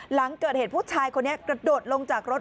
หลังเกิดเหตุผู้ชายคนนี้กระโดดลงจากรถ